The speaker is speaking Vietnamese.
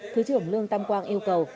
thứ trưởng lương tam quang yêu cầu